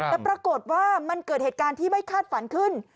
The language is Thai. แต่ปรากฏว่ามันเกิดเหตุการณ์ที่ไม่คาดฝันขึ้น